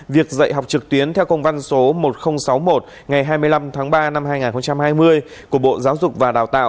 việc dạy học trực tuyến theo công văn số một nghìn sáu mươi một ngày hai mươi năm tháng ba năm hai nghìn hai mươi